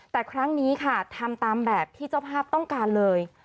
แต่ครั้งนี้ค่ะทำตามแบบที่เจ้าภาพต้องการเลย